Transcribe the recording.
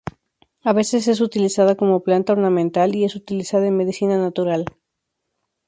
A veces es utilizada como planta ornamental; y es utilizada en medicina natural.